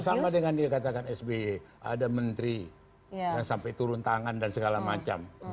sama sama dengan dia katakan sbe ada menteri yang sampai turun tangan dan segala macam